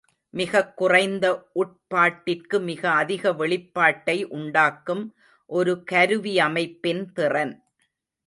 மிகக் குறைந்த உட்பாட்டிற்கு மிக அதிக வெளிப் பாட்டை உண்டாக்கும் ஒரு கருவியமைப்பின் திறன்.